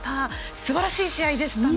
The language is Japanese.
すばらしい試合でしたね。